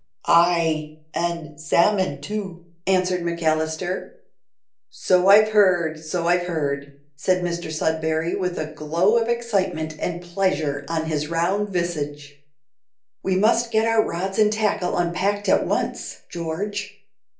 "Ay, an' salmon too," answered McAllister. "So I've heard, so I've heard," said Mr Sudberry, with a glow of excitement and pleasure on his round visage. "We must get our rods and tackle unpacked at once, George.